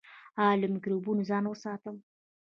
ایا له مکروبونو ځان وساتم؟